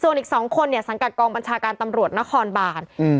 ส่วนอีกสองคนเนี่ยสังกัดกองบัญชาการตำรวจนครบานอืม